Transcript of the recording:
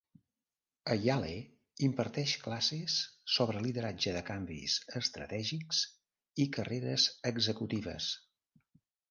A Yale, imparteix classes sobre lideratge de canvis estratègics i carreres executives.